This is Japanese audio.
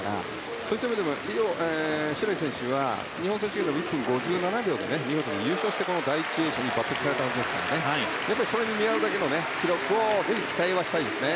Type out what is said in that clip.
そういった意味でも白井選手は日本選手権でも１分５７秒で見事に優勝してこの第１泳者に抜擢されましたからそれに見合うだけの記録は期待したいですね。